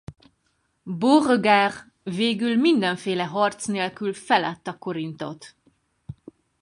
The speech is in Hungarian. Beauregard végül mindenféle harc nélkül feladta Corinth-ot.